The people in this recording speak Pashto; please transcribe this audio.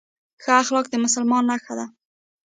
ښه اخلاق د مسلمان نښه ده